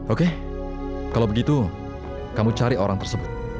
oke kalau begitu kamu cari orang tersebut